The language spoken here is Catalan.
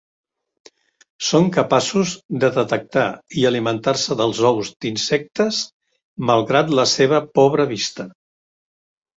Són capaços de detectar i alimentar-se dels ous d'insectes, malgrat la seva pobra vista.